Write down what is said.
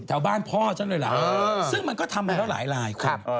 แถวบ้านพ่อฉันเลยล่ะซึ่งมันก็ทำให้แล้วหลายคน